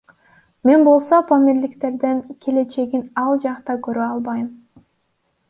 Мен болсо, памирликтердин келечегин ал жакта көрө албайм.